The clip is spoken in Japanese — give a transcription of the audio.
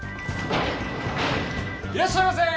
いらっしゃいませ！